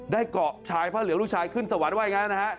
ได้เกาะบวชพระเหลืองลูกชายขึ้นสวรรค์ไว้อย่างนั้น